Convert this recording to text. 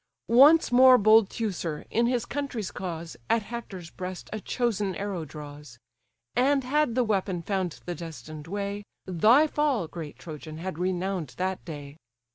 Once more bold Teucer, in his country's cause, At Hector's breast a chosen arrow draws: And had the weapon found the destined way, Thy fall, great Trojan! had renown'd that day.